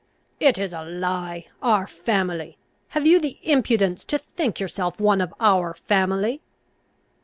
"It is a lie! Our family! have you the impudence to think yourself one of our family?"